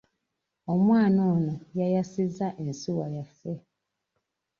Omwana ono y'ayasizza ensuwa yaffe.